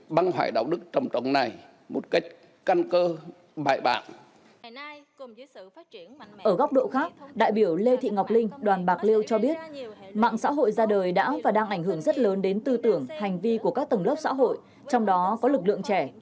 xã hội ra đời đã và đang ảnh hưởng rất lớn đến tư tưởng hành vi của các tầng lớp xã hội trong đó có lực lượng trẻ